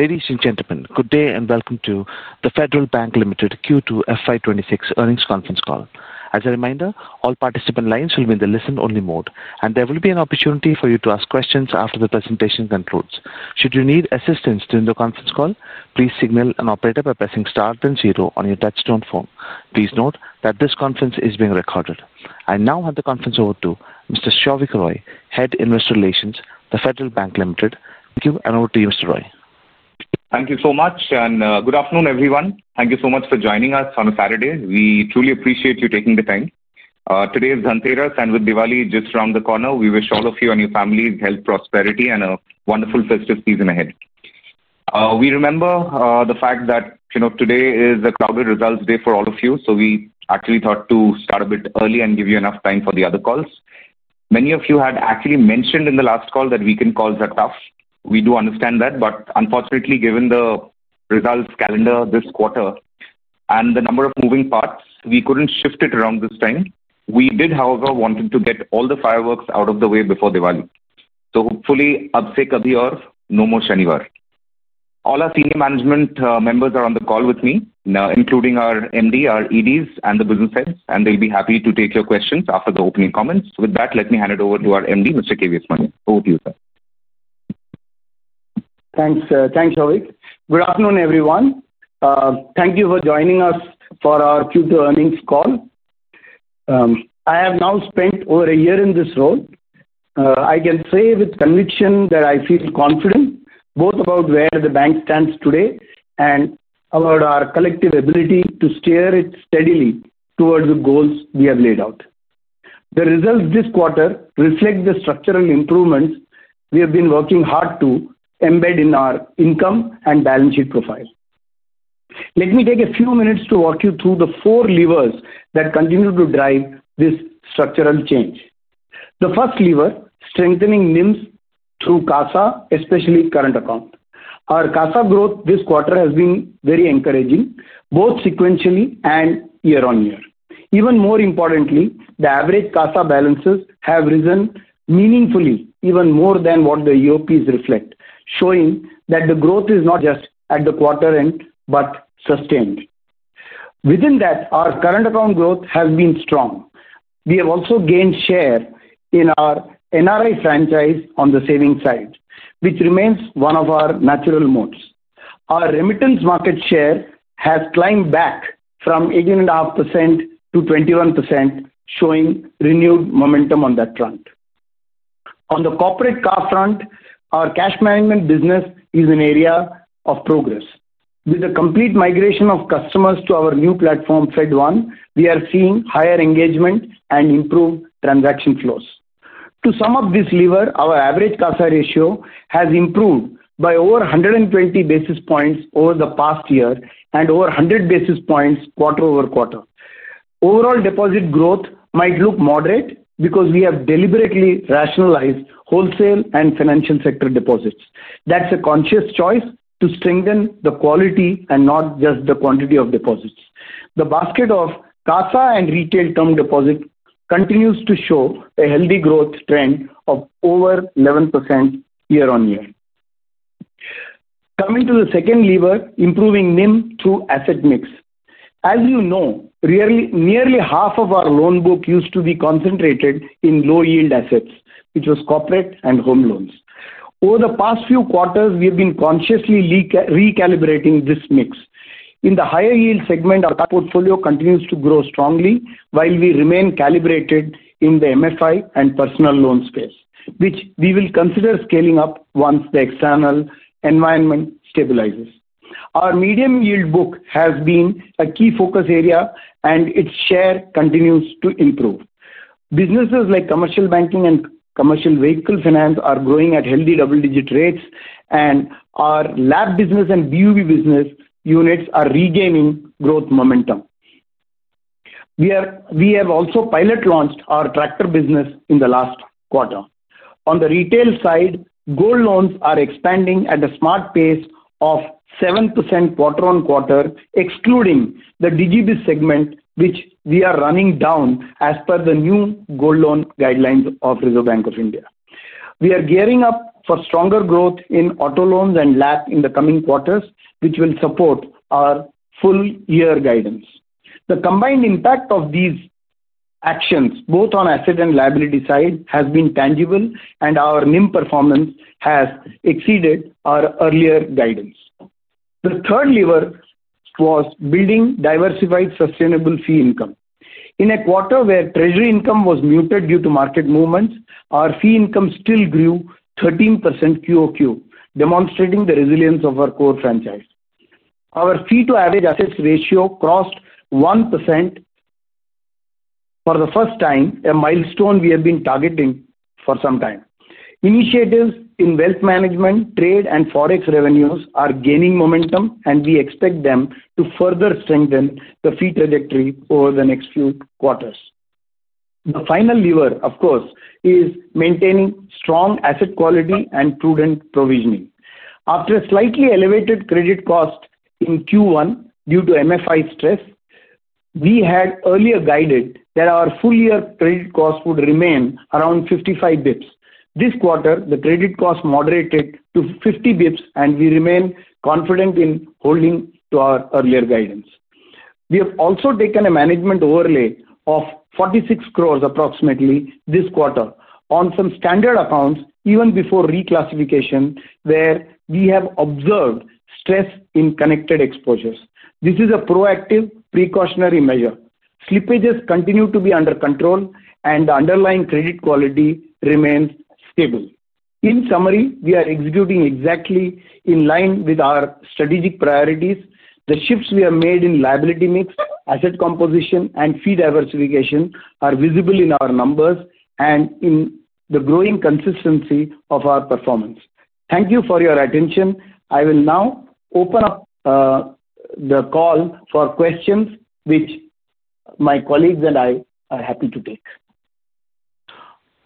Ladies and gentlemen, good day and welcome to the Federal Bank Limited Q2 FY26 earnings conference call. As a reminder, all participant lines will be in the listen-only mode, and there will be an opportunity for you to ask questions after the presentation concludes. Should you need assistance during the conference call, please signal an operator by pressing STAR, then ZERO on your touch-tone phone. Please note that this conference is being recorded. I now hand the conference over to Mr. Souvik Roy, Head of Investor Relations, Federal Bank Limited. Thank you, and over to you, Mr. Roy. Thank you so much, and good afternoon, everyone. Thank you so much for joining us on a Saturday. We truly appreciate you taking the time. Today is Dhanteras, and with Diwali just around the corner, we wish all of you and your families health, prosperity, and a wonderful festive season ahead. We remember the fact that today is a crowded results day for all of you, so we actually thought to start a bit early and give you enough time for the other calls. Many of you had actually mentioned in the last call that weekend calls are tough. We do understand that, but unfortunately, given the results calendar this quarter and the number of moving parts, we couldn't shift it around this time. We did, however, want to get all the fireworks out of the way before Diwali. Hopefully, absek abhi har, no more shaniwar. All our Senior Management members are on the call with me, including our MD, our EDs, and the Business Heads, and they'll be happy to take your questions after the opening comments. With that, let me hand it over to our MD, Mr. KVS Manian. Over to you, sir. Thanks, Souvik. Good afternoon, everyone. Thank you for joining us for our Q2 earnings call. I have now spent over a year in this role. I can say with conviction that I feel confident both about where the bank stands today and about our collective ability to steer it steadily towards the goals we have laid out. The results this quarter reflect the structural improvements we have been working hard to embed in our income and balance sheet profile. Let me take a few minutes to walk you through the four levers that continue to drive this structural change. The first lever is strengthening NIMs through CASA, especially current accounts. Our CASA growth this quarter has been very encouraging, both sequentially and year-on-year. Even more importantly, the average CASA balances have risen meaningfully, even more than what the EOPs reflect, showing that the growth is not just at the quarter end but sustained. Within that, our current account growth has been strong. We have also gained share in our NRI franchise on the savings side, which remains one of our natural modes. Our remittance market share has climbed back from 18.5% to 21%, showing renewed momentum on that front. On the corporate CAF front, our cash management business is an area of progress. With the complete migration of customers to our new platform, FedOne, we are seeing higher engagement and improved transaction flows. To sum up this lever, our average CASA ratio has improved by over 120 basis points over the past year and over 100 basis points quarter over quarter. Overall deposit growth might look moderate because we have deliberately rationalized wholesale and financial sector deposits. That is a conscious choice to strengthen the quality and not just the quantity of deposits. The basket of CASA and retail term deposits continues to show a healthy growth trend of over 11% year-on-year. Coming to the second lever, improving NIM through asset mix. As you know, nearly half of our loan book used to be concentrated in low-yield assets, which was corporate and home loans. Over the past few quarters, we have been consciously recalibrating this mix. In the higher-yield segment, our portfolio continues to grow strongly, while we remain calibrated in the MFI and personal loan space, which we will consider scaling up once the external environment stabilizes. Our medium-yield book has been a key focus area, and its share continues to improve. Businesses like commercial banking and commercial vehicle finance are growing at healthy double-digit rates, and our lab business and BUV business units are regaining growth momentum. We have also pilot-launched our tractor business in the last quarter. On the retail side, gold loans are expanding at a smart pace of 7% quarter on quarter, excluding the DGB segment, which we are running down as per the new gold loan guidelines of RBI. We are gearing up for stronger growth in auto loans and LAC in the coming quarters, which will support our full-year guidance. The combined impact of these actions, both on asset and liability side, has been tangible, and our NIM performance has exceeded our earlier guidance. The third lever was building diversified sustainable fee income. In a quarter where treasury income was muted due to market movements, our fee income still grew 13% QOQ, demonstrating the resilience of our core franchise. Our fee-to-average assets ratio crossed 1% for the first time, a milestone we have been targeting for some time. Initiatives in wealth management, trade, and forex revenues are gaining momentum, and we expect them to further strengthen the fee trajectory over the next few quarters. The final lever, of course, is maintaining strong asset quality and prudent provisioning. After a slightly elevated credit cost in Q1 due to MFI stress, we had earlier guided that our full-year credit cost would remain around 55 basis points. This quarter, the credit cost moderated to 50 basis points, and we remain confident in holding to our earlier guidance. We have also taken a management overlay of 46 crore approximately this quarter on some standard accounts even before reclassification, where we have observed stress in connected exposures. This is a proactive precautionary measure. Slippages continue to be under control, and the underlying credit quality remains stable. In summary, we are executing exactly in line with our strategic priorities. The shifts we have made in liability mix, asset composition, and fee diversification are visible in our numbers and in the growing consistency of our performance. Thank you for your attention. I will now open up the call for questions, which my colleagues and I are happy to take.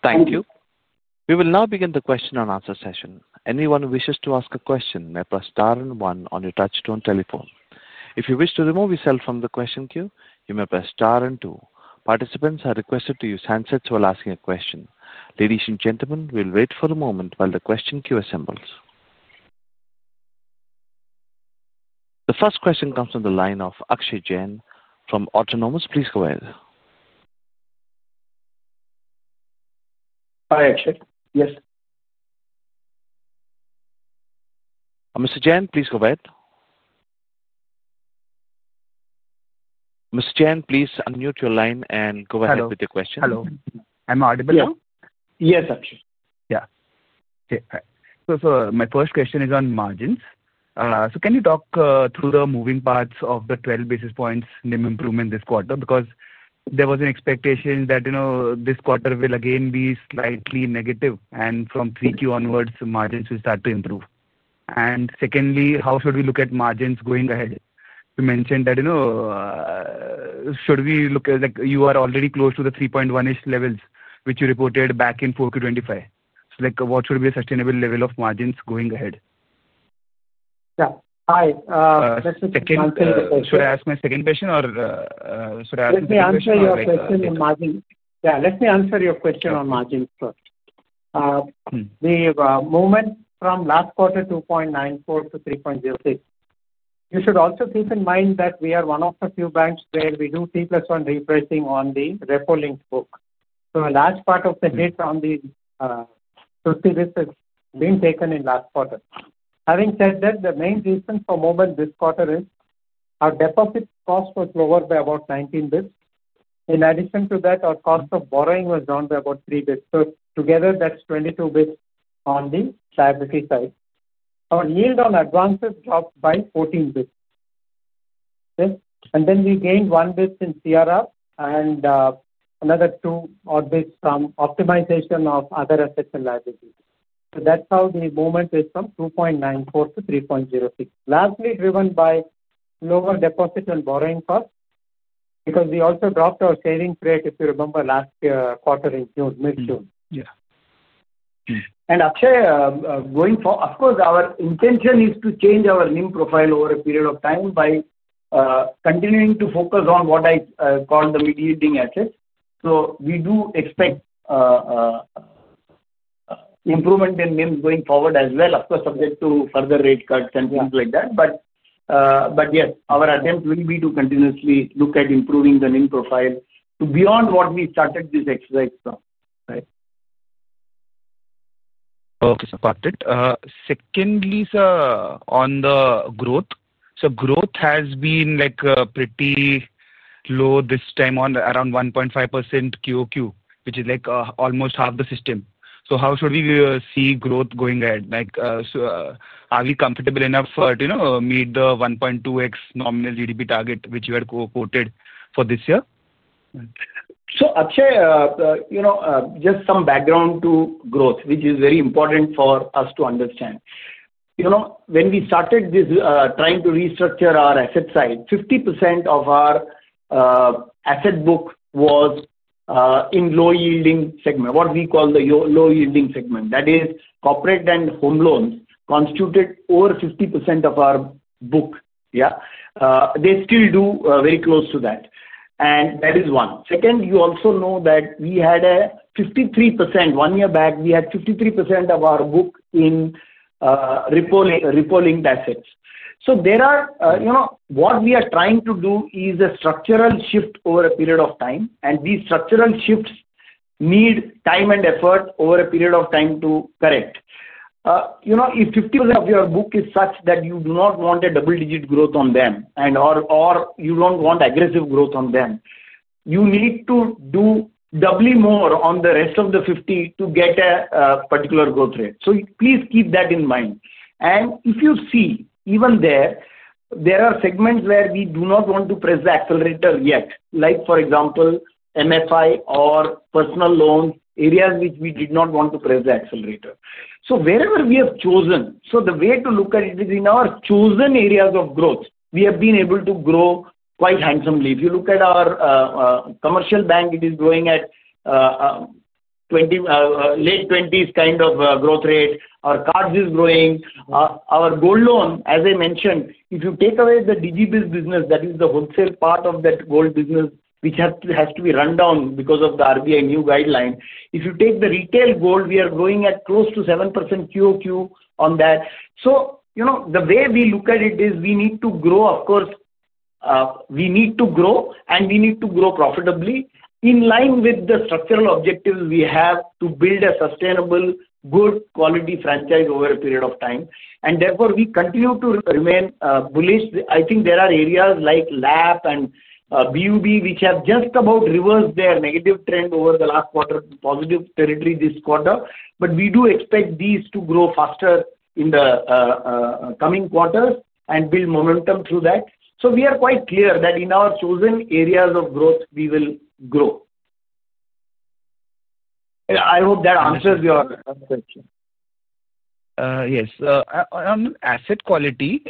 Thank you. We will now begin the question-and-answer session. Anyone who wishes to ask a question may press STAR and ONE on your touch-tone telephone. If you wish to remove yourself from the question queue, you may press STAR and TWO. Participants are requested to use handsets while asking a question. Ladies and gentlemen, we'll wait for a moment while the question queue assembles. The first question comes from the line of Akshay Jain from Autonomous. Please go ahead. Hi, Akshay. Yes. Mr. Jain, please go ahead. Mr. Jain, please unmute your line and go ahead with your question. Hello. Am I audible now? Yes, Akshay. Yeah. Okay. My first question is on margins. Can you talk through the moving parts of the 12 basis points NIM improvement this quarter? There was an expectation that this quarter will again be slightly negative, and from 3Q onwards, margins will start to improve. Secondly, how should we look at margins going ahead? You mentioned that, should we look at like you are already close to the 3.1% levels, which you reported back in 4Q 2025. What should be a sustainable level of margins going ahead? Yeah. Hi. Second. Should I ask my second question or should I ask the second question? Let me answer your question on margins. Let me answer your question on margins first. The movement from last quarter 2.94 to 3.06. You should also keep in mind that we are one of the few banks where we do T plus 1 refreshing on the RepoLink book. A large part of the hit on the 50 basis points has been taken in last quarter. Having said that, the main reason for movement this quarter is our deposit cost was lowered by about 19 basis points. In addition to that, our cost of borrowing was down by about 3 basis points. Together, that's 22 basis points on the liability side. Our yield on advances dropped by 14 basis points. We gained 1 basis points in CRR and another 2 odd basis points from optimization of other assets and liabilities. That is how the movement is from 2.94 to 3.06, largely driven by lower deposit and borrowing costs because we also dropped our savings rate, if you remember, last quarter in June, mid-June. Yeah. Akshay, going forward, of course, our intention is to change our NIM profile over a period of time by continuing to focus on what I call the mediating assets. We do expect improvement in NIMs going forward as well, of course, subject to further rate cuts and things like that. Yes, our attempt will be to continuously look at improving the NIM profile to beyond what we started this exercise from, right? Okay, so parted. Secondly, sir, on the growth, growth has been pretty low this time at around 1.5% QOQ, which is almost half the system. How should we see growth going ahead? Are we comfortable enough to meet the 1.2x nominal GDP target, which you had quoted for this year? Akshay, just some background to growth, which is very important for us to understand. When we started this trying to restructure our asset side, 50% of our asset book was in the low-yielding segment, what we call the low-yielding segment. That is, corporate and home loans constituted over 50% of our book, yeah? They still do very close to that. That is one. Second, you also know that we had a 53% one year back, we had 53% of our book in RepoLink assets. What we are trying to do is a structural shift over a period of time, and these structural shifts need time and effort over a period of time to correct. If 50% of your book is such that you do not want a double-digit growth on them, and/or you don't want aggressive growth on them, you need to do doubly more on the rest of the 50% to get a particular growth rate. Please keep that in mind. If you see, even there, there are segments where we do not want to press the accelerator yet, like for example, microfinance or personal loans, areas which we did not want to press the accelerator. Wherever we have chosen, the way to look at it is in our chosen areas of growth, we have been able to grow quite handsomely. If you look at our commercial bank, it is growing at a late 20s kind of growth rate. Our cards is growing. Our gold loan, as I mentioned, if you take away the DGB's business, that is the wholesale part of that gold business, which has to be run down because of the RBI new guideline. If you take the retail gold, we are growing at close to 7% quarter-on-quarter on that. The way we look at it is we need to grow, of course, we need to grow, and we need to grow profitably in line with the structural objectives we have to build a sustainable, good-quality franchise over a period of time. Therefore, we continue to remain bullish. I think there are areas like LAP and BUB, which have just about reversed their negative trend over the last quarter to positive territory this quarter. We do expect these to grow faster in the coming quarters and build momentum through that. We are quite clear that in our chosen areas of growth, we will grow. I hope that answers your question. Yes. On asset quality,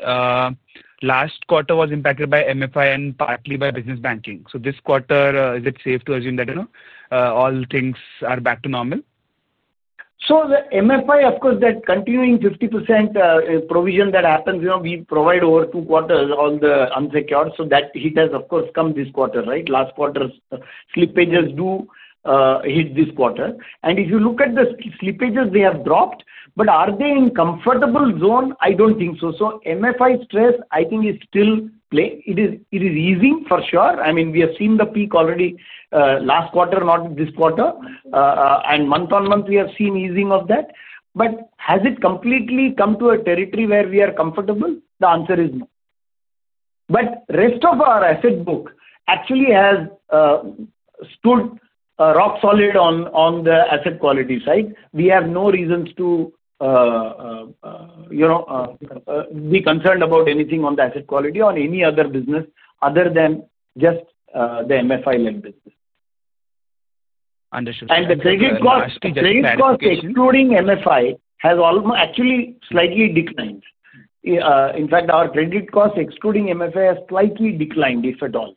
last quarter was impacted by microfinance (MFI) and partly by business banking. This quarter, is it safe to assume that, you know, all things are back to normal? The MFI, of course, that continuing 50% provision that happens, you know, we provide over two quarters on the unsecured. That hit has, of course, come this quarter, right? Last quarter's slippages do hit this quarter. If you look at the slippages, they have dropped, but are they in comfortable zone? I don't think so. MFI stress, I think, is still playing. It is easing for sure. I mean, we have seen the peak already last quarter, not this quarter. Month on month, we have seen easing of that. Has it completely come to a territory where we are comfortable? The answer is no. The rest of our asset book actually has stood rock solid on the asset quality side. We have no reasons to be concerned about anything on the asset quality or any other business other than just the MFI-led business. Understood. The credit cost, credit cost excluding MFI has actually slightly declined. In fact, our credit cost excluding MFI has slightly declined, if at all.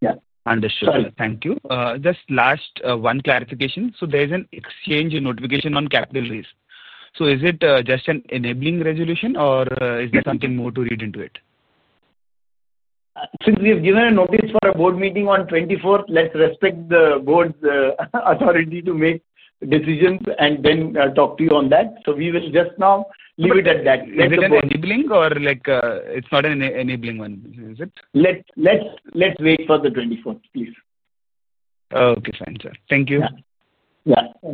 Yeah. Understood. Thank you. Just last one clarification. There's an exchange notification on capital raise. Is it just an enabling resolution, or is there something more to read into it? Since we have given a notice for a board meeting on 24th, let's respect the board's authority to make decisions and then talk to you on that. We will just now leave it at that. Is it enabling or like it's not an enabling one? Is it? Let's wait for the 24th, please. Okay. Fine, sir. Thank you. Yeah. Yeah.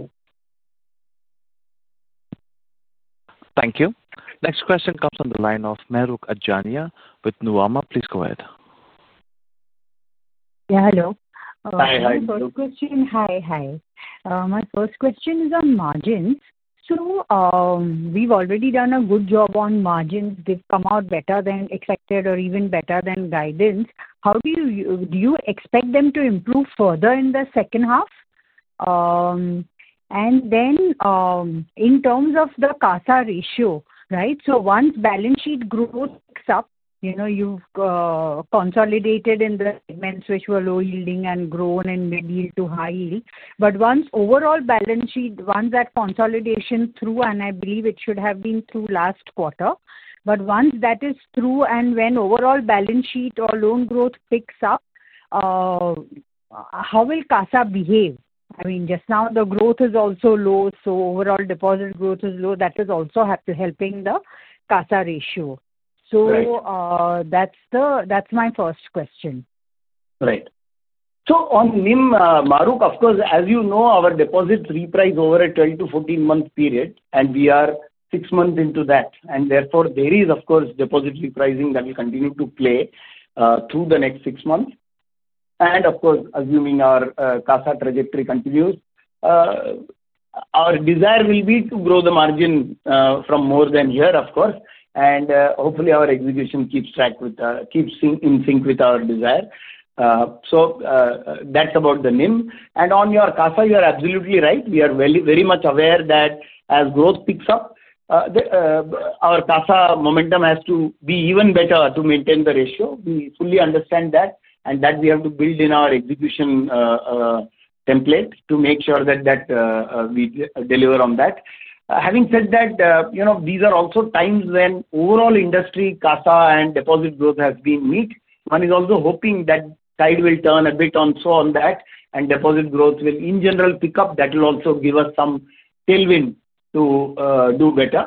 Thank you. Next question comes from the line of Mahrukh Adajania with Nuvama. Please go ahead. Yeah, hello. Hi, hi. My first question is on margins. We've already done a good job on margins. They've come out better than expected or even better than guidance. Do you expect them to improve further in the second half? In terms of the CASA ratio, once balance sheet growth picks up, you've consolidated in the segments which were low yielding and grown in medium to high yield. Once overall balance sheet, once that consolidation is through, and I believe it should have been through last quarter, but once that is through and when overall balance sheet or loan growth picks up, how will CASA behave? Just now the growth is also low, so overall deposit growth is low. That is also helping the CASA ratio. That's my first question. Right. On NIM, Mahrukh, of course, as you know, our deposits reprice over a 12 to 14-month period, and we are six months into that. Therefore, there is, of course, deposit repricing that will continue to play through the next six months. Of course, assuming our CASA trajectory continues, our desire will be to grow the margin from more than here, of course. Hopefully, our execution keeps in sync with our desire. That's about the NIM. On your CASA, you're absolutely right. We are very much aware that as growth picks up, our CASA momentum has to be even better to maintain the ratio. We fully understand that, and we have to build in our execution template to make sure that we deliver on that. Having said that, these are also times when overall industry CASA and deposit growth has been meet. One is also hoping that tide will turn a bit also on that, and deposit growth will, in general, pick up. That will also give us some tailwind to do better.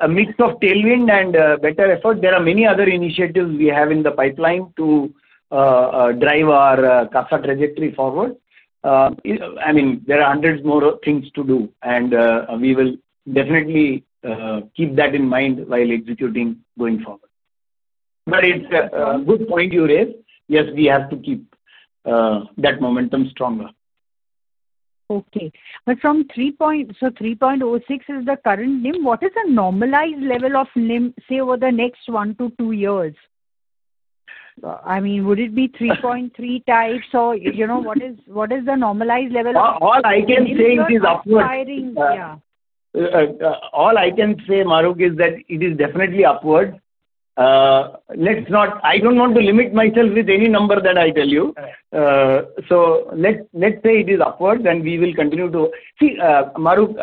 A mix of tailwind and better effort, there are many other initiatives we have in the pipeline to drive our CASA trajectory forward. I mean, there are hundreds more things to do, and we will definitely keep that in mind while executing going forward. It's a good point you raised. Yes, we have to keep that momentum stronger. Okay. From 3.06, so 3.06 is the current NIM. What is the normalized level of NIM, say, over the next one to two years? I mean, would it be 3.3 types or you know what is the normalized level of? All I can say is it is upward. Yeah. All I can say, Mahrukh, is that it is definitely upward. I don't want to limit myself with any number that I tell you. Let's say it is upward, and we will continue to see, Mahrukh,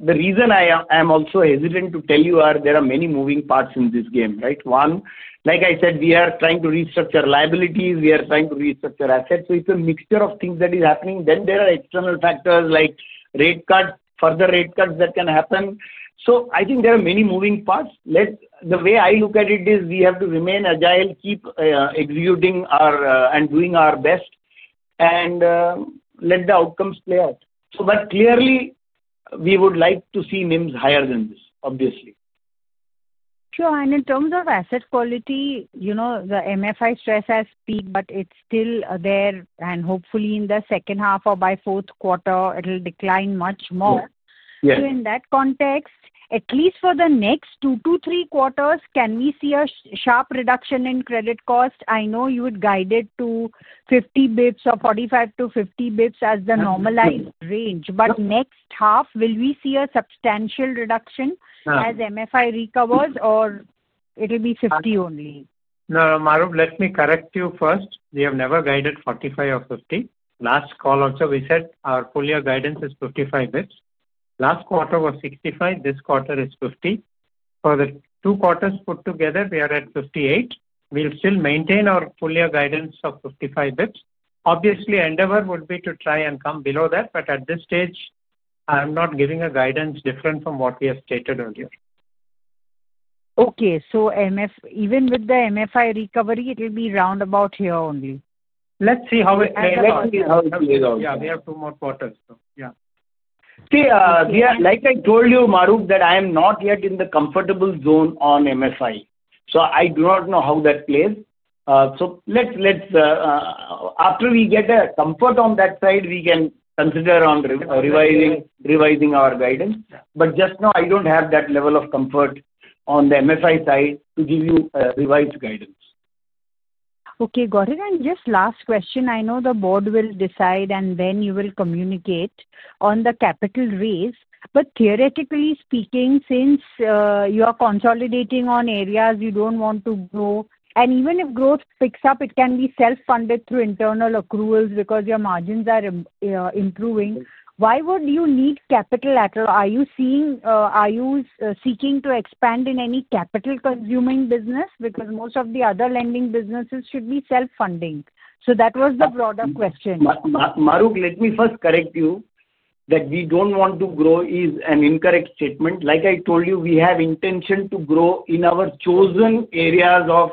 the reason I am also hesitant to tell you is there are many moving parts in this game, right? One, like I said, we are trying to restructure liabilities. We are trying to restructure assets. It's a mixture of things that is happening. There are external factors like rate cuts, further rate cuts that can happen. I think there are many moving parts. The way I look at it is we have to remain agile, keep executing and doing our best, and let the outcomes play out. Clearly, we would like to see NIMs higher than this, obviously. Sure. In terms of asset quality, you know the microfinance (MFI) stress has peaked, but it's still there. Hopefully, in the second half or by the fourth quarter, it'll decline much more. In that context, at least for the next two to three quarters, can we see a sharp reduction in credit cost? I know you had guided to 50 basis points or 45 to 50 basis points as the normalized range. Next half, will we see a substantial reduction as MFI recovers, or it'll be 50 only? No, Mahrukh, let me correct you first. We have never guided 45 or 50. Last call also, we said our full-year guidance is 55 basis points. Last quarter was 65. This quarter is 50. For the two quarters put together, we are at 58. We'll still maintain our full-year guidance of 55 basis points. Obviously, endeavor would be to try and come below that. At this stage, I'm not giving a guidance different from what we have stated earlier. Okay, even with the MFI recovery, it'll be round about here only? Let's see how it goes. We have two more quarters, so yeah. Like I told you, Mahrukh, I am not yet in the comfortable zone on MFI. I do not know how that plays. After we get a comfort on that side, we can consider on revising our guidance. Just now, I don't have that level of comfort on the MFI side to give you a revised guidance. Okay. Got it. Just last question, I know the board will decide and then you will communicate on the capital raise. Theoretically speaking, since you are consolidating on areas you don't want to grow, and even if growth picks up, it can be self-funded through internal accruals because your margins are improving. Why would you need capital lateral? Are you seeking to expand in any capital-consuming business? Most of the other lending businesses should be self-funding. That was the broader question. Mahrukh, let me first correct you that we don't want to grow is an incorrect statement. Like I told you, we have intention to grow in our chosen areas of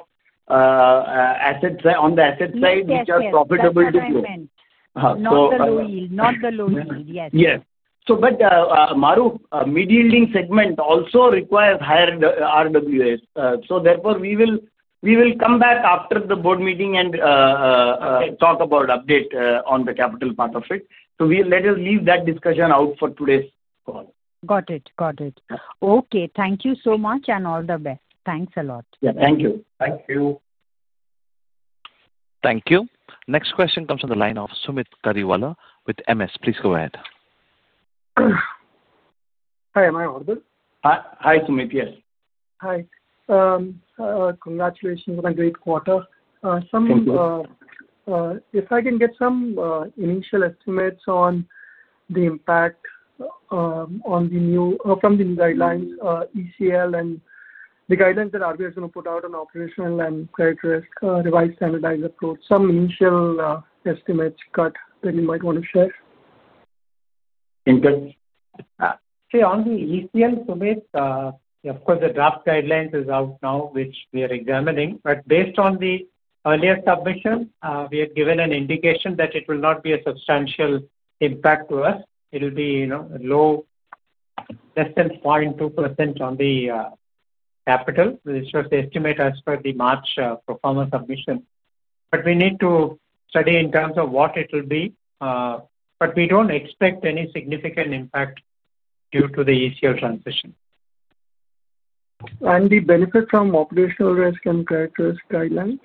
assets on the asset side, which are profitable to grow. Not the low yield. Yes. Mahrukh, mediating segment also requires higher RWS, so we will come back after the board meeting and talk about update on the capital part of it. Let us leave that discussion out for today's call. Got it. Got it. Okay, thank you so much and all the best. Thanks a lot. Yeah, thank you. Thank you. Thank you. Next question comes from the line of Sumeet Kariwala with MS. Please go ahead. Hi, am I audible? Hi, Sumeet. Yes. Hi, congratulations on a great quarter. Thank you. If I can get some initial estimates on the impact from the new guidelines, ECL, and the guidelines that RBI is going to put out on operational and credit risk, revised standardized approach, some initial estimates that you might want to share. On the ECL, Sumeet, of course, the draft guidelines is out now, which we are examining. Based on the earlier submission, we are given an indication that it will not be a substantial impact to us. It'll be low, less than 0.2% on the capital. This was the estimate as per the March performance submission. We need to study in terms of what it will be. We don't expect any significant impact due to the ECL transition. And the benefit from operational risk and characteristic guidelines?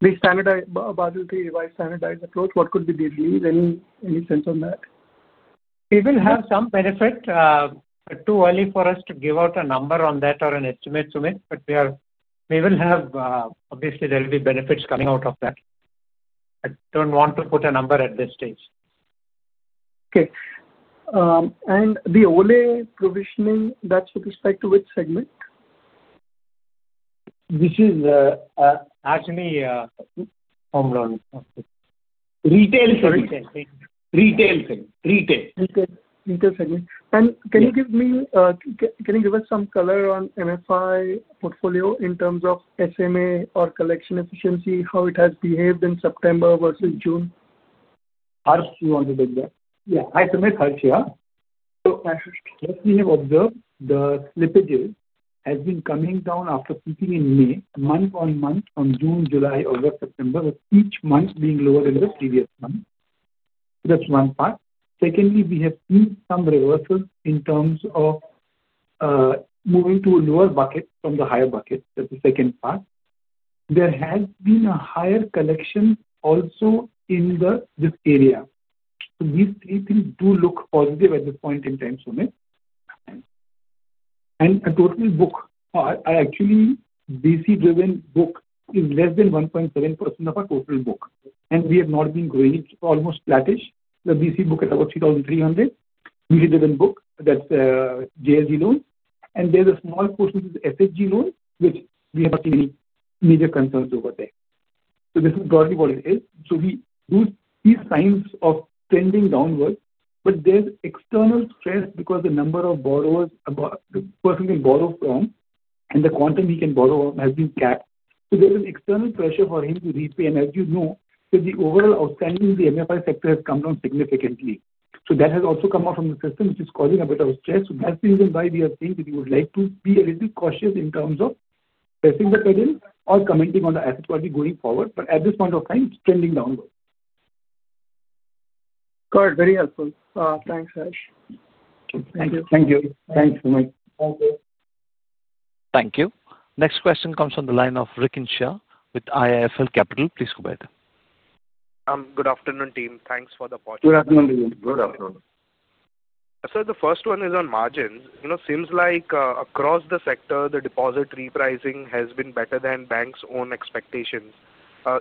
The standardized model to revised standardized approach, what could be the relief? Any sense on that? It will have some benefit. It is too early for us to give out a number on that or an estimate, Sumeet. We will have, obviously, there will be benefits coming out of that. I don't want to put a number at this stage. Okay. The OLA provisioning, that's with respect to which segment? This is actually home loan, retail segment. Retail. Retail segment. Retail segment. Can you give us some color on MFI portfolio in terms of SMA or collection efficiency, how it has behaved in September versus June? Harsh, you want to take that? Yeah. Hi, Sumeet. Harsh, yeah. Sure. First, we have observed the slippages have been coming down after peaking in May, month on month, in June, July, August, September, with each month being lower than the previous month. That's one part. Secondly, we have seen some reversal in terms of moving to a lower bucket from the higher bucket. That's the second part. There has been a higher collection also in this area. These three things do look positive at this point in time, Sumeet. A total book, or actually, VC-driven book is less than 1.7% of our total book. We have not been growing. It's almost flattish. The VC book is about 3,300 million, VC-driven book. That's JSD loans. There's a small portion that is SSG loans, which we have not seen any major concerns over there. This is broadly what it is. We do see signs of trending downwards, but there's external stress because the number of borrowers the person can borrow from and the quantum he can borrow from has been capped. There is external pressure for him to repay. As you know, the overall outstanding of the microfinance (MFI) sector has come down significantly. That has also come out from the system, which is causing a bit of stress. That's the reason why we are saying that we would like to be a little cautious in terms of pressing the pedal or commenting on the asset quality going forward. At this point of time, it's trending downward. Got it. Very helpful. Thanks, Harsh. Thank you. Thank you. Thanks, Sumeet. Thank you. Thank you. Next question comes from the line of Rikin Shah, with IIFL Capital. Please go ahead. Good afternoon, team. Thanks for the patching. Good afternoon, everyone. Good afternoon. Sir, the first one is on margins. It seems like across the sector, the deposit repricing has been better than banks' own expectations.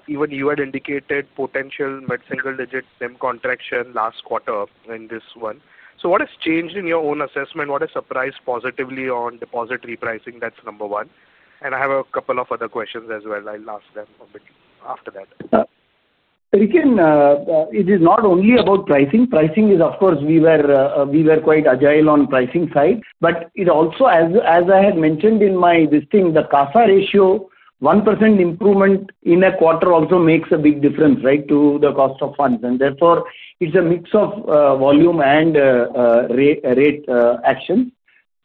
Even you had indicated potential mid-single-digit NIM contraction last quarter in this one. What has changed in your own assessment? What has surprised positively on deposit repricing? That's number one. I have a couple of other questions as well. I'll ask them a bit after that. Rikin, it is not only about pricing. Pricing is, of course, we were quite agile on the pricing side. It also, as I had mentioned in my this thing, the CASA ratio, 1% improvement in a quarter also makes a big difference, right, to the cost of funds. Therefore, it's a mix of volume and rate actions.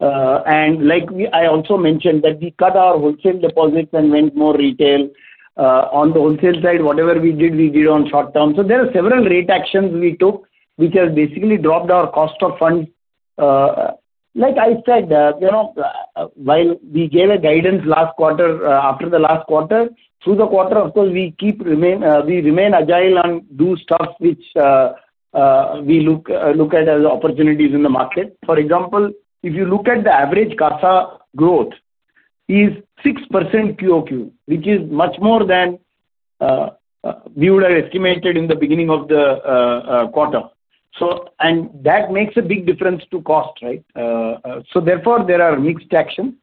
Like I also mentioned that we cut our wholesale deposits and went more retail on the wholesale side. Whatever we did, we did on short term. There are several rate actions we took, which has basically dropped our cost of funds. Like I said, while we gave a guidance last quarter after the last quarter, through the quarter, of course, we remain agile and do stuff which we look at as opportunities in the market. For example, if you look at the average CASA growth, it is 6% QOQ, which is much more than we would have estimated in the beginning of the quarter. That makes a big difference to cost, right? Therefore, there are mixed actions.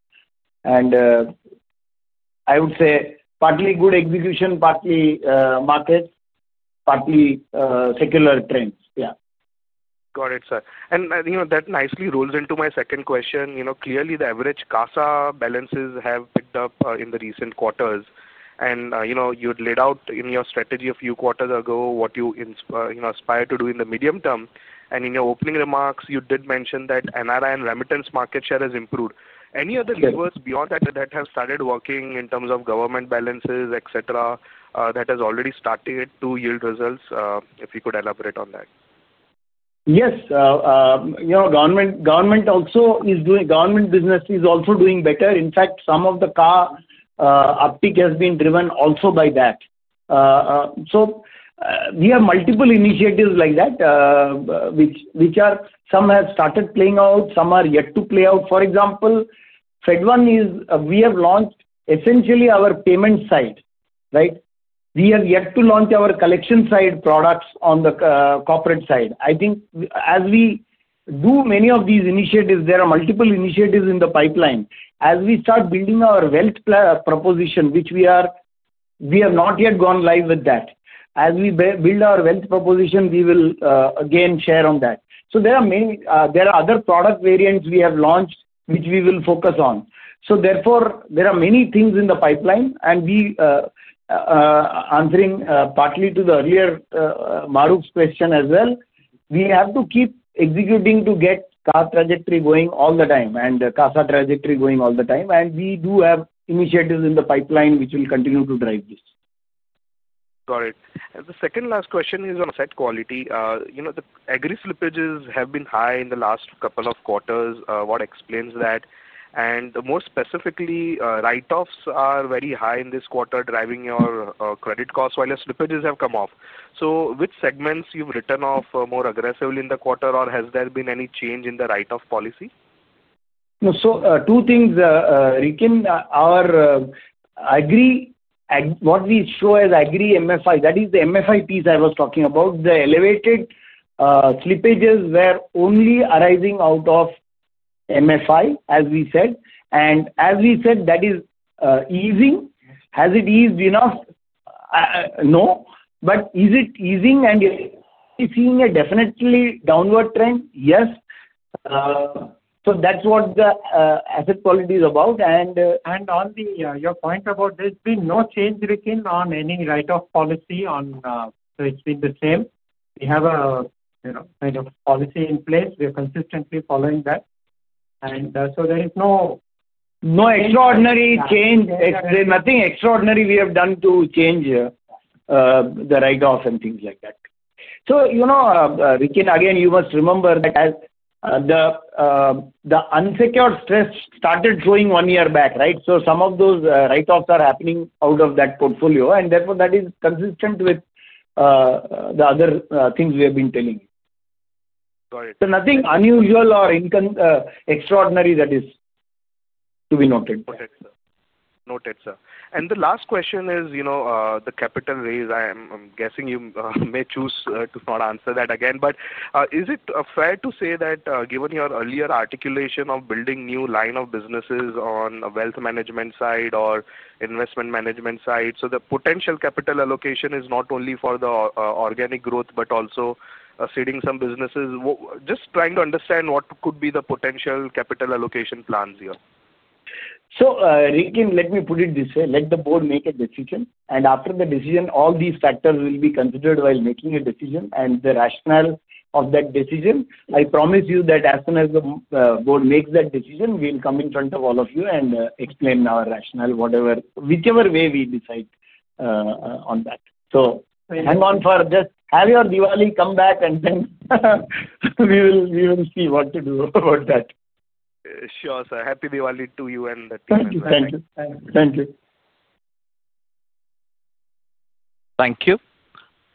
I would say partly good execution, partly markets, partly secular trends. Yeah. Got it, sir. That nicely rolls into my second question. Clearly, the average CASA balances have picked up in the recent quarters. You had laid out in your strategy a few quarters ago what you aspire to do in the medium term. In your opening remarks, you did mention that NRI and remittance market share has improved. Any other levers beyond that that have started working in terms of government balances, etc., that has already started to yield results? If you could elaborate on that. Yes. You know, government business is also doing better. In fact, some of the CASA uptake has been driven also by that. We have multiple initiatives like that, which are, some have started playing out, some are yet to play out. For example, FedOne is, we have launched essentially our payment side, right? We have yet to launch our collection side products on the corporate side. I think as we do many of these initiatives, there are multiple initiatives in the pipeline. As we start building our wealth proposition, which we have not yet gone live with, as we build our wealth proposition, we will again share on that. There are other product variants we have launched, which we will focus on. Therefore, there are many things in the pipeline. Answering partly to the earlier Mahrukh's question as well, we have to keep executing to get CASA trajectory going all the time. We do have initiatives in the pipeline, which will continue to drive this. Got it. The second last question is on asset quality. You know, the aggregate slippages have been high in the last couple of quarters. What explains that? More specifically, write-offs are very high in this quarter, driving your credit costs while your slippages have come off. Which segments have you written off more aggressively in the quarter, or has there been any change in the write-off policy? Two things, Rikin. What we show as agri MFI, that is the MFI piece I was talking about. The elevated slippages were only arising out of MFI, as we said. That is easing. Has it eased enough? No. Is it easing, and are we seeing a definite downward trend? Yes. That is what the asset quality is about. On your point, there has been no change, Rikin, on any write-off policy. It has been the same. We have a kind of policy in place. We are consistently following that, and there is no extraordinary change. Nothing extraordinary we have done to change the write-off and things like that. Rikin, again, you must remember that as the unsecured stress started showing one year back, right? Some of those write-offs are happening out of that portfolio, and therefore, that is consistent with the other things we have been telling you. Got it. Nothing unusual or extraordinary that is to be noted. Okay, sir. Noted, sir. The last question is, you know, the capital raise. I'm guessing you may choose to not answer that again. Is it fair to say that given your earlier articulation of building new line of businesses on the wealth management side or investment management side, the potential capital allocation is not only for the organic growth but also seeding some businesses? Just trying to understand what could be the potential capital allocation plans here. Rikin, let me put it this way. Let the board make a decision. After the decision, all these factors will be considered while making a decision. The rationale of that decision, I promise you that as soon as the board makes that decision, we'll come in front of all of you and explain our rationale, whatever, whichever way we decide on that. Hang on for just have your Diwali, come back, and then we will see what to do about that. Sure, sir. Happy Diwali to you and the team. Thank you. Thank you. Thank you. Thank you.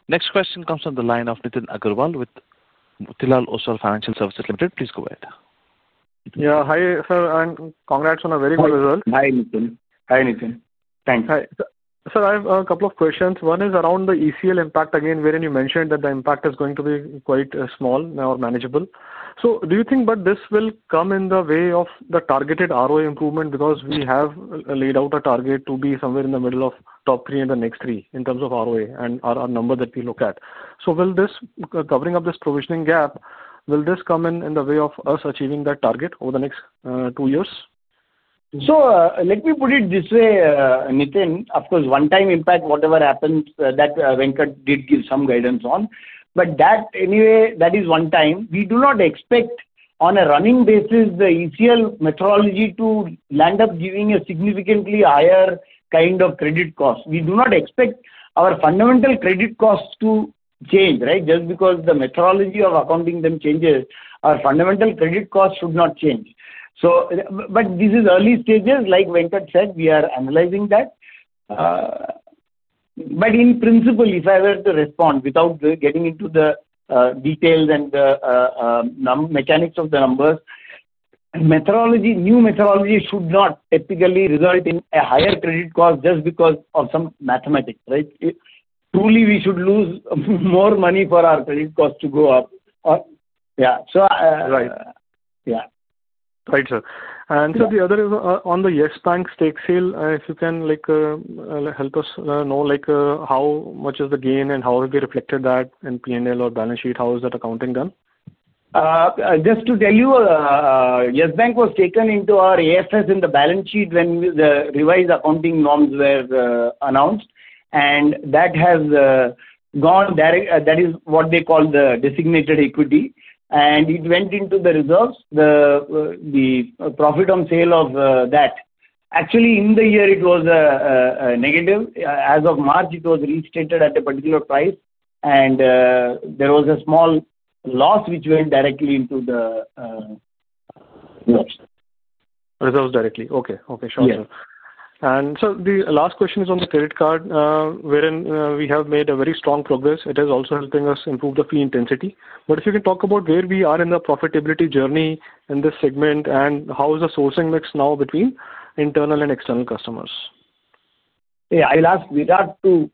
Next question comes from the line of Nitin Aggarwal with Motilal Oswal Financial Services Limited. Please go ahead. Yeah, hi, sir, and congrats on a very good result. Hi, Nitin. Thanks. Hi. Sir, I have a couple of questions. One is around the ECL impact, wherein you mentioned that the impact is going to be quite small or manageable. Do you think that this will come in the way of the targeted ROA improvement? We have laid out a target to be somewhere in the middle of top three and the next three in terms of ROA and our number that we look at. Will covering up this provisioning gap come in the way of us achieving that target over the next two years? Let me put it this way, Nitin. Of course, one-time impact, whatever happens, that Venkat did give some guidance on. That anyway is one time. We do not expect on a running basis the ECL methodology to end up giving a significantly higher kind of credit cost. We do not expect our fundamental credit costs to change, right? Just because the methodology of accounting them changes, our fundamental credit costs should not change. This is early stages. Like Venkat said, we are analyzing that. In principle, if I were to respond without getting into the details and the mechanics of the numbers, new methodology should not typically result in a higher credit cost just because of some mathematics, right? Truly, we should lose more money for our credit costs to go up. Yeah. Right. Yeah. Right, sir. The other is on the Yes Bank stake sale. If you can help us know how much is the gain and how have they reflected that in P&L or balance sheet, how is that accounting done? Just to tell you, Yes Bank was taken into our AFS in the balance sheet when the revised accounting norms were announced. That has gone direct, that is what they call the designated equity. It went into the reserves, the profit on sale of that. Actually, in the year, it was a negative. As of March, it was restated at a particular price, and there was a small loss, which went directly into the reserves. Reserves directly. Okay. Sure, sure. The last question is on the credit card, wherein we have made a very strong progress. It is also helping us improve the fee intensity. If you can talk about where we are in the profitability journey in this segment and how is the sourcing mix now between internal and external customers? Yeah. I'll ask Venkatraman to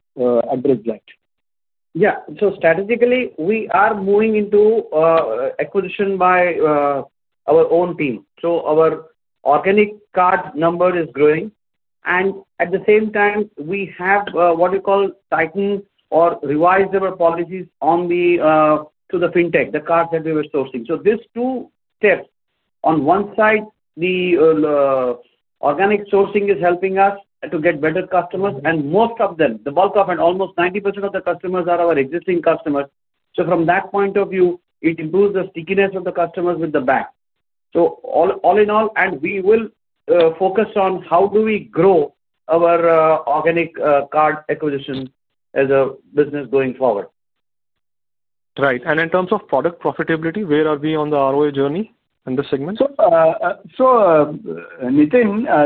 address that. Yeah. Strategically, we are moving into acquisition by our own team. Our organic card number is growing. At the same time, we have tightened or revised our policies on the fintech, the cards that we were sourcing. These two steps, on one side, the organic sourcing is helping us to get better customers. Most of them, the bulk of and almost 90% of the customers are our existing customers. From that point of view, it improves the stickiness of the customers with the bank. All in all, we will focus on how do we grow our organic card acquisition as a business going forward. Right. In terms of product profitability, where are we on the ROA journey in this segment? Nitin,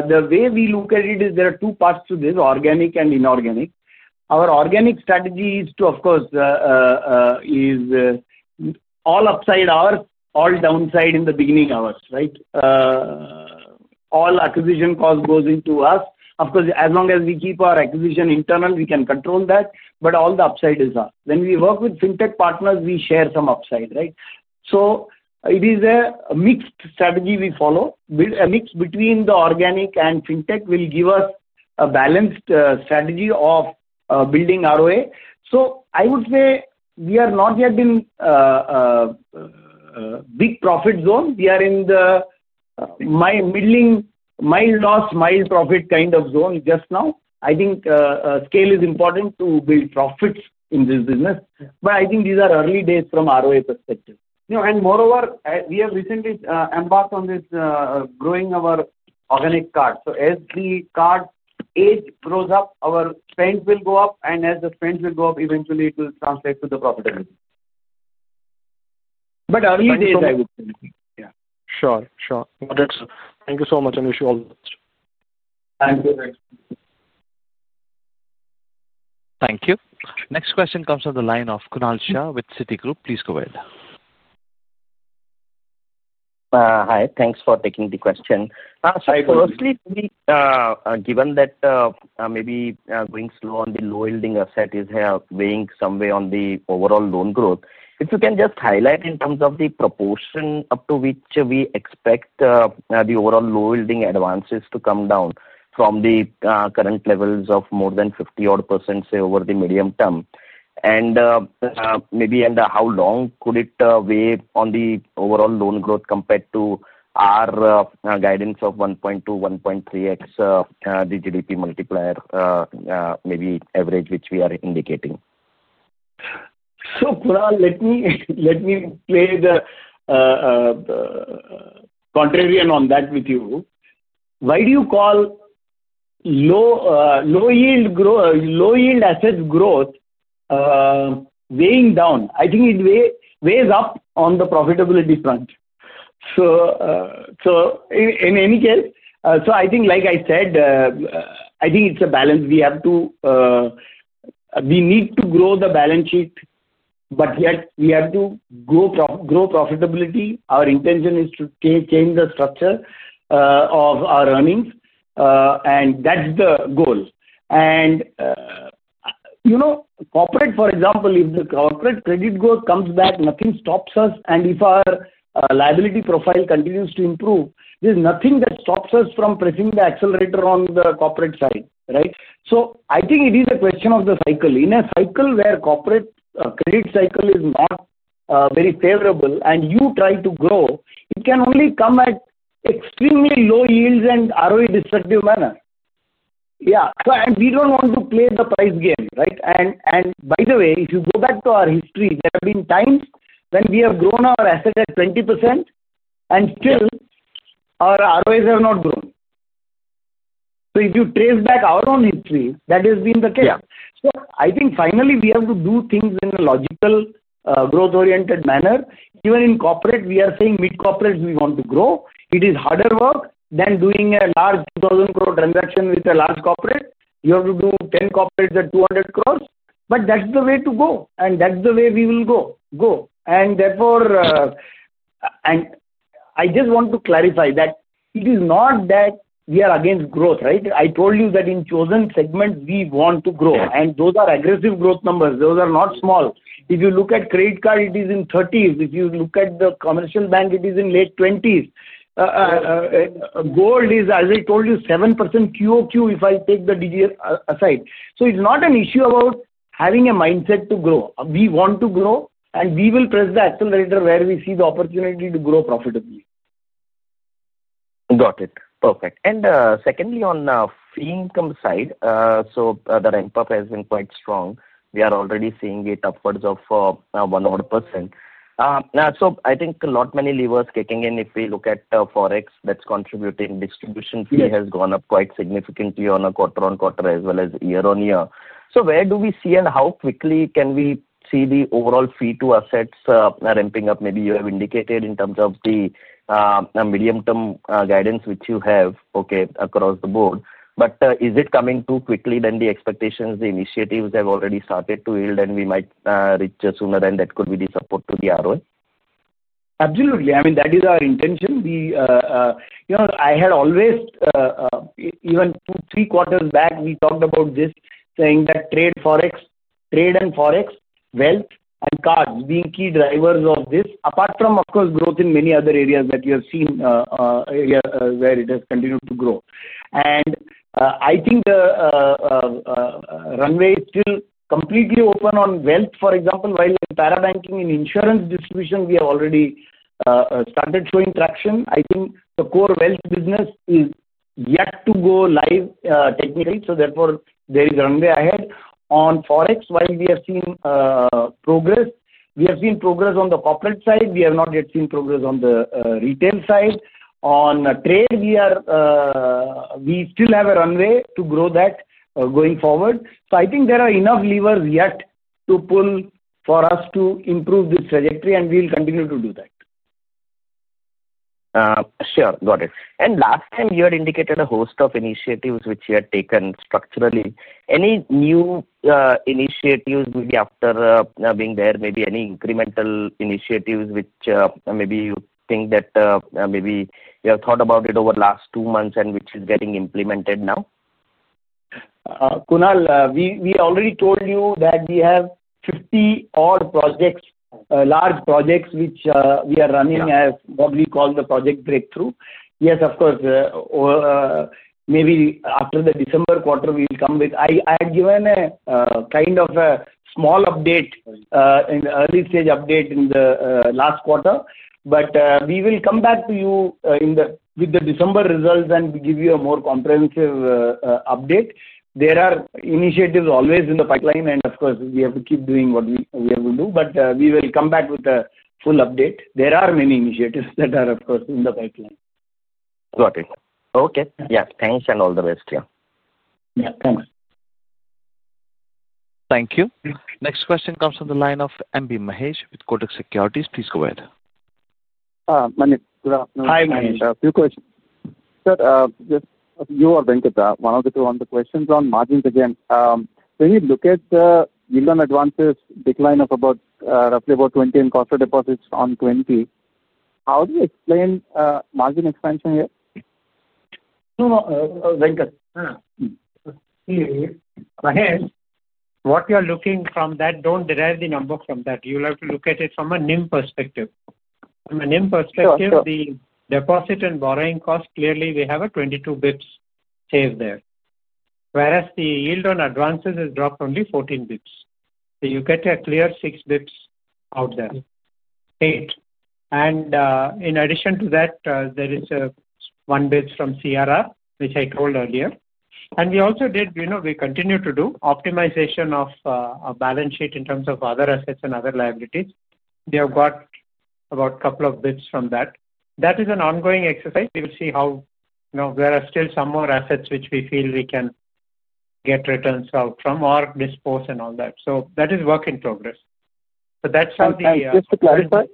the way we look at it is there are two parts to this, organic and inorganic. Our organic strategy is, of course, all upside ours, all downside in the beginning ours, right? All acquisition cost goes into us. Of course, as long as we keep our acquisition internal, we can control that. All the upside is us. When we work with fintech partners, we share some upside, right? It is a mixed strategy we follow. A mix between the organic and fintech will give us a balanced strategy of building ROA. I would say we are not yet in a big profit zone. We are in the mild loss, mild profit kind of zone just now. I think scale is important to build profits in this business. I think these are early days from ROA perspective. Moreover, we have recently embarked on this growing our organic cards. As the card age grows up, our spend will go up. As the spend will go up, eventually, it will translate to the profitability of the card. Early days, I would say. Yeah. Sure. Thank you so much, and wish you all the best. Thank you. Thank you. Thank you. Next question comes from the line of Kunal Shah with Citigroup. Please go ahead. Hi, thanks for taking the question. Hi, sir. Firstly, given that maybe going slow on the low-yielding asset is weighing some way on the overall loan growth, if you can just highlight in terms of the proportion up to which we expect the overall low-yielding advances to come down from the current levels of more than 50% odd, say, over the medium term. Maybe how long could it weigh on the overall loan growth compared to our guidance of 1.2x, 1.3x, the GDP multiplier, maybe average, which we are indicating? Kunal, let me play the contrarian on that with you. Why do you call low-yield assets growth weighing down? I think it weighs up on the profitability front. In any case, I think it's a balance. We need to grow the balance sheet, but yet we have to grow profitability. Our intention is to change the structure of our earnings. That's the goal. You know, corporate, for example, if the corporate credit growth comes back, nothing stops us. If our liability profile continues to improve, there's nothing that stops us from pressing the accelerator on the corporate side, right? I think it is a question of the cycle. In a cycle where corporate credit cycle is not very favorable and you try to grow, it can only come at extremely low yields and ROA-destructive manner. We don't want to play the price game, right? By the way, if you go back to our history, there have been times when we have grown our asset at 20% and still our ROAs have not grown. If you trace back our own history, that has been the case. I think finally, we have to do things in a logical growth-oriented manner. Even in corporate, we are saying mid-corporates, we want to grow. It is harder work than doing a large 2,000 crore transaction with a large corporate. You have to do 10 corporates at 200 crore. That's the way to go. That's the way we will go. Therefore, I just want to clarify that it is not that we are against growth, right? I told you that in chosen segments, we want to grow. Those are aggressive growth numbers. Those are not small. If you look at credit card, it is in 30%. If you look at the commercial bank, it is in late 20%. Gold is, as I told you, 7% QOQ if I take the DGS aside. It's not an issue about having a mindset to grow. We want to grow, and we will press the accelerator where we see the opportunity to grow profitably. Got it. Perfect. Secondly, on the fee income side, the ramp-up has been quite strong. We are already seeing it upwards of 1% and I think a lot many levers are kicking in. If we look at forex, that's contributing. Distribution fee has gone up quite significantly on a quarter-on-quarter as well as year-on-year basis. Where do we see and how quickly can we see the overall fee-to-average assets ratio ramping up? Maybe you have indicated in terms of the medium-term guidance, which you have across the board. Is it coming too quickly than the expectations? The initiatives have already started to yield, and we might reach sooner, and that could be the support to the ROA? Absolutely. I mean, that is our intention. I had always, even two, three quarters back, talked about this, saying that trade, forex, trade and forex, wealth, and cards being key drivers of this, apart from, of course, growth in many other areas that you have seen where it has continued to grow. I think the runway is still completely open on wealth, for example, while in parabanking, in insurance distribution, we have already started showing traction. I think the core wealth business is yet to go live technically. Therefore, there is a runway ahead. On forex, while we have seen progress, we have seen progress on the corporate side. We have not yet seen progress on the retail side. On trade, we still have a runway to grow that going forward. I think there are enough levers yet to pull for us to improve this trajectory, and we will continue to do that. Got it. Last time, you had indicated a host of initiatives which you had taken structurally. Any new initiatives, maybe after being there, maybe any incremental initiatives which you think that you have thought about over the last two months and which are getting implemented now? Kunal, we already told you that we have 50 odd projects, large projects, which we are running as what we call the project breakthrough. Yes, of course. Maybe after the December quarter, we'll come with I had given a kind of a small update, an early-stage update in the last quarter. We will come back to you with the December results and give you a more comprehensive update. There are initiatives always in the pipeline, and of course, we have to keep doing what we have to do. We will come back with a full update. There are many initiatives that are, of course, in the pipeline. Got it. Okay. Yes, thanks and all the best here. Yeah. Thanks. Thank you. Next question comes from the line of MB Mahesh with Kotak Securities. Please go ahead. Hi, Mahesh. A few questions. Sir, just you or Venkatraman, one of the two on the questions on margins again. When you look at the yield on advances, decline of about roughly about 20 and corporate deposits on 20, how do you explain margin expansion here? Venkat, see, Mahesh, what you are looking from that, don't derive the number from that. You'll have to look at it from a NIM perspective. From a NIM perspective, the deposit and borrowing cost, clearly, we have a 22 basis points save there, whereas the yield on advances has dropped only 14 basis points. You get a clear 6 basis points out there. Paid. In addition to that, there is a 1 basis point from CRR, which I told earlier. We also did, you know, we continue to do optimization of a balance sheet in terms of other assets and other liabilities. We have got about a couple of basis points from that. That is an ongoing exercise. We will see how, you know, there are still some more assets which we feel we can get returns out from or dispose and all that. That is work in progress. That's how the. Just to clarify.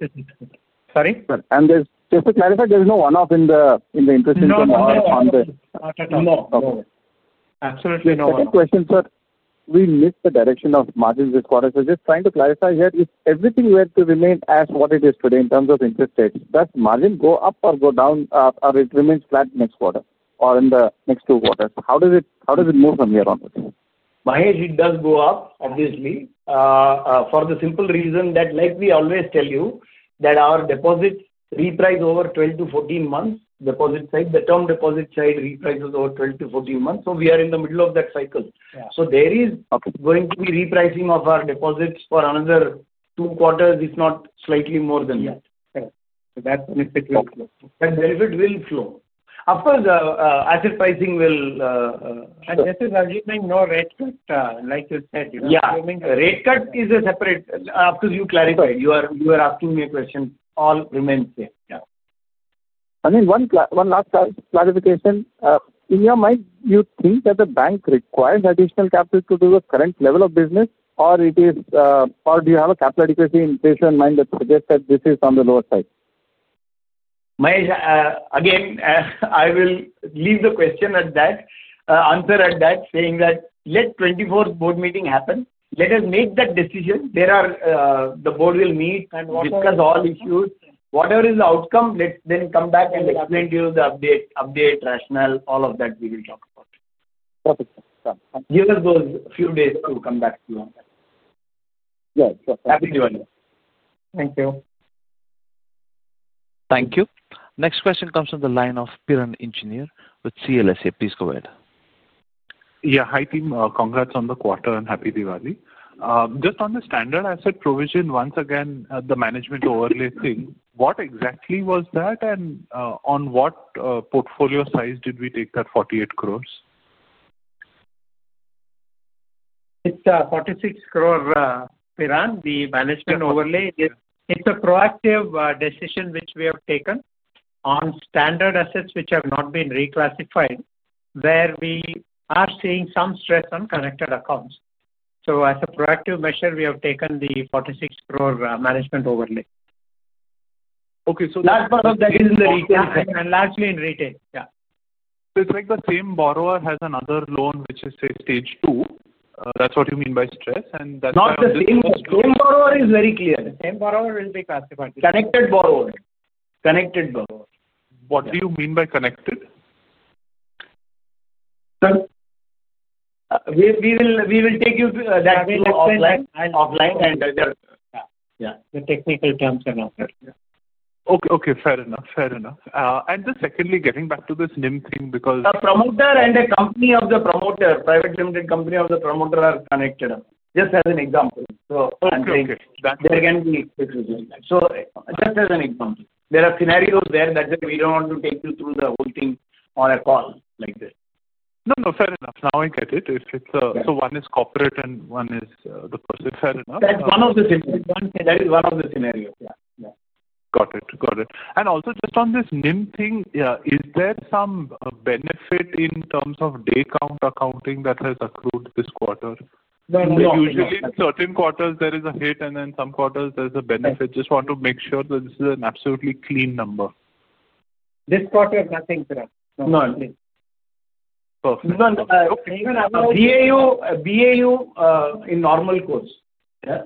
Sorry? Just to clarify, there's no one-off in the interest income on the. Not at all. No. No. Absolutely not. Second question, sir. We missed the direction of margins this quarter. Just trying to clarify here, if everything were to remain as what it is today in terms of interest rates, does margin go up or go down, or it remains flat next quarter or in the next two quarters? How does it move from here onwards? Mahesh, it does go up, obviously, for the simple reason that, like we always tell you, our deposit reprices over 12 to 14 months, deposit side, the term deposit side reprices over 12 to 14 months. We are in the middle of that cycle. There is going to be repricing of our deposits for another two quarters, if not slightly more than that. Right. That benefit will flow. That benefit will flow. Of course, asset pricing will. This is, as you know, no rate cut, like you said. Yeah. Rate cut is a separate, after you clarified, you are asking me a question. All remains the same. Yeah. I mean, one last clarification. In your mind, do you think that the bank requires additional capital to do the current level of business, or do you have a capital adequacy in place in mind that suggests that this is on the lower side? Mahesh, again, I will leave the question at that, answer at that, saying that let the 24th board meeting happen. Let us make that decision. The board will meet. And whatever. Discuss all issues. Whatever is the outcome, let's then come back and explain to you the update, rationale, all of that we will talk about. Perfect. Give us those few days to come back to you on that. Yeah. Sure. Happy Diwali. Thank you. Thank you. Next question comes from the line of Piran Engineer with CLSA. Please go ahead. Yeah. Hi, team. Congrats on the quarter and happy Diwali. Just on the standard asset provision, once again, the management overlay thing, what exactly was that, and on what portfolio size did we take that 48 crore? It's an 46 crore, the management overlay. It's a proactive decision which we have taken on standard assets which have not been reclassified, where we are seeing some stress on connected accounts. As a proactive measure, we have taken the 46 crore management overlay. Okay, that part of that is in the retail side. Largely in retail, yeah. It's like the same borrower has another loan, which is, say, stage two. That's what you mean by stress, and that's not. Not the same. The same borrower is very clear. The same borrower will be classified. Connected borrower. Connected borrower. What do you mean by connected? Sir, we will take you to that next slide. Offline. Offline and either, yeah, the technical terms are not there. Okay. Fair enough. Secondly, getting back to this NIM thing because. The promoter and the company of the promoter, private limited company of the promoter, are connected, just as an example. Okay. Okay. I'm saying there can be exclusion. Just as an example, there are scenarios there that we don't want to take you through the whole thing on a call like this. No, no. Fair enough. Now I get it. One is corporate and one is the person. Fair enough. That is one of the scenarios. Yeah. Got it. Got it. Also, just on this NIM thing, is there some benefit in terms of day count accounting that has accrued this quarter? No, no. Usually, in certain quarters, there is a hit, and then some quarters, there's a benefit. Just want to make sure that this is an absolutely clean number. This quarter, nothing correct. None. Nothing. Perfect. BAU in normal course. Yeah.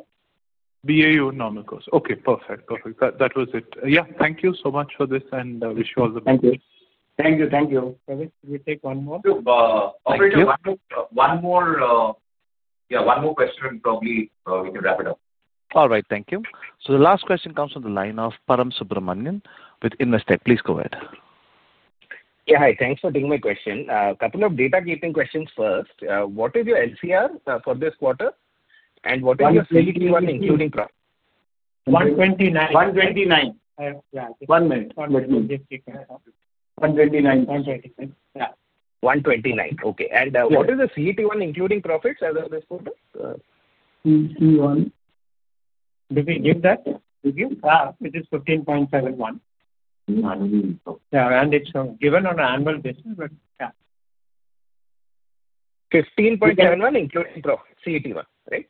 BAU in normal course. Okay. Perfect. Perfect. That was it. Thank you so much for this, and I wish you all the best. Thank you. Thank you. Thank you. Venkat, can we take one more? Sure. One more question, and probably we can wrap it up. All right. Thank you. The last question comes from the line of Param Subramanian with Investec. Please go ahead. Yeah. Hi. Thanks for taking my question. A couple of data-keeping questions first. What is your LCR for this quarter? What is your CET1, including profit? 129. 129. Yeah, one minute. One minute. 129. Yeah. Okay. What is the CET1, including profits, as of this quarter? CET1. Did we give that? We give that, which is 15.71. None. Yeah, it's given on an annual basis, but yeah. 15.71%, including profits, CET1, right?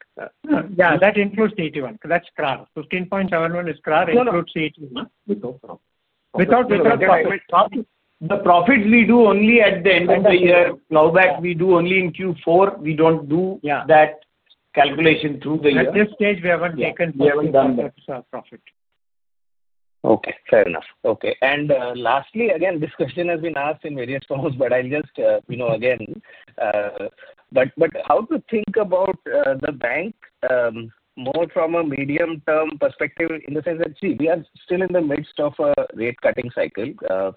Yeah, that includes CET1. That's CRA. 15.71% is CRA and includes CET1. Without profits. Without profits. The profits we do only at the end of the year. Blowback we do only in Q4. We don't do that calculation through the year. At this stage, we haven't taken profits. We haven't done that. Profit. Okay. Fair enough. Lastly, this question has been asked in various forms, but I'll just, you know, again, how to think about the bank more from a medium-term perspective in the sense that, see, we are still in the midst of a rate-cutting cycle.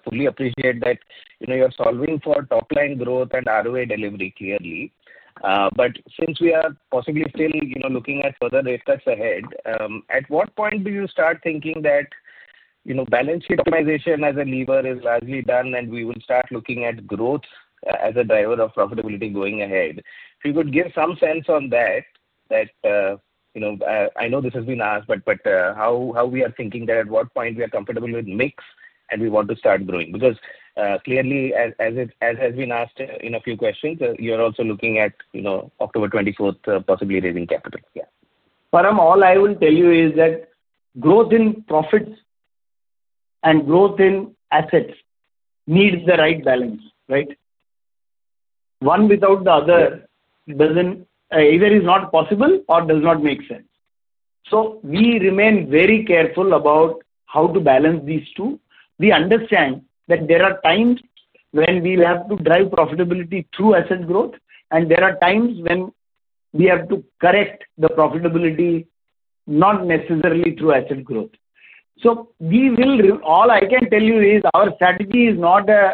Fully appreciate that you know you're solving for top-line growth and ROA delivery clearly. Since we are possibly still, you know, looking at further rate cuts ahead, at what point do you start thinking that, you know, balance sheet optimization as a lever is largely done, and we will start looking at growth as a driver of profitability going ahead? If you could give some sense on that, that, you know, I know this has been asked, but how we are thinking that at what point we are comfortable with mix and we want to start growing. Clearly, as it has been asked in a few questions, you're also looking at, you know, October 24th, possibly raising capital. Yeah. Param, all I will tell you is that growth in profits and growth in assets needs the right balance, right? One without the other is not possible or does not make sense. We remain very careful about how to balance these two. We understand that there are times when we'll have to drive profitability through asset growth, and there are times when we have to correct the profitability not necessarily through asset growth. All I can tell you is our strategy is not a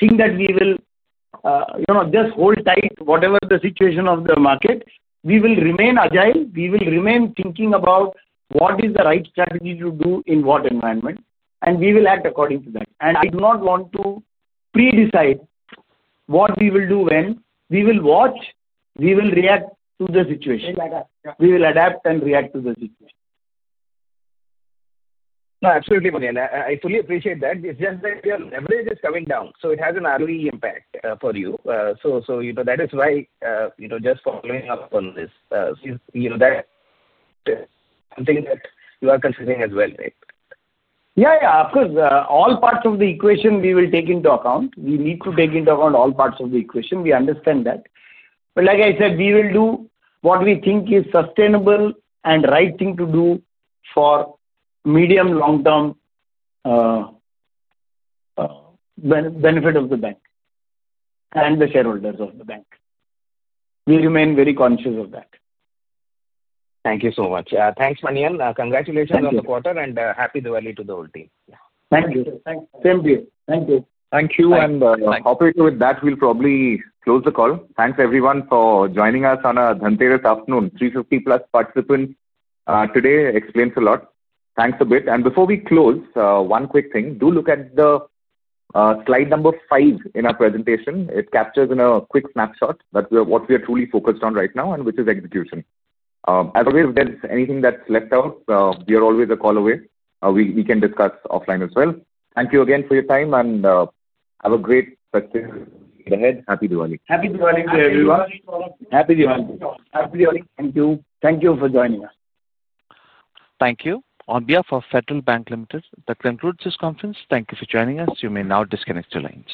thing that we will just hold tight whatever the situation of the market. We will remain agile. We will remain thinking about what is the right strategy to do in what environment, and we will act according to that. I do not want to pre-decide what we will do when. We will watch. We will react to the situation. We will adapt and react to the situation. No, absolutely, Manian. I fully appreciate that. It's just that your leverage is coming down. It has an ROE impact for you. You know that is why, just following up on this, that's something that you are considering as well, right? Of course, all parts of the equation we will take into account. We need to take into account all parts of the equation. We understand that. Like I said, we will do what we think is sustainable and the right thing to do for medium-long-term benefit of the bank and the shareholders of the bank. We remain very conscious of that. Thank you so much. Thanks, Manian. Congratulations on the quarter and happy Diwali to the whole team. Thank you. Same to you. Thank you. Thank you. Hopefully, with that, we'll probably close the call. Thanks, everyone, for joining us on a thunderous afternoon. 350+ participants today explains a lot. Thanks a bit. Before we close, one quick thing. Do look at slide number five in our presentation. It captures in a quick snapshot that's what we are truly focused on right now, which is execution. As always, if there's anything that's left out, we are always a call away. We can discuss offline as well. Thank you again for your time, and have a great rest of the day. Go ahead. Happy Diwali. Happy Diwali to everyone. Happy Diwali. Happy Diwali. Thank you. Thank you for joining us. Thank you. On behalf of Federal Bank Limited, that concludes this conference. Thank you for joining us. You may now disconnect your lines.